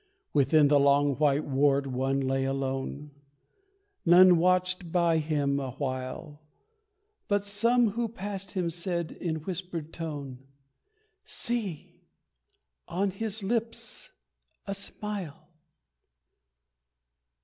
Within the long white ward one lay alone, None watched by him awhile, But some who passed him said, in whispered tone, "See on his lips the smile!"